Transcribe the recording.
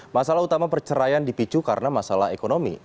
masalah utama perceraian dipicu karena masalah ekonomi